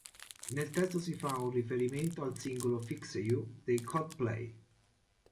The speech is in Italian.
Nel testo si fa un riferimento al singolo "Fix You" dei Coldplay.